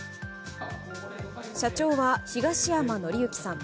社長は東山紀之さん